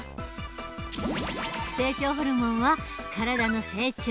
成長ホルモンは体の成長